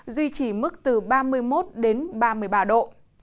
duy trì mức từ ba mươi một đến ba mươi ba độ